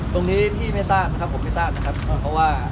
ตรงนี้พี่ไม่ทราบนะครับผมไม่ทราบนะครับเพราะว่า